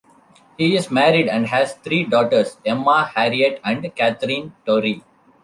He is married and has three daughters, Emma, Harriet and Katherine Torry.